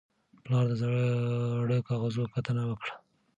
پلار د زاړه کاغذونو کتنه وکړه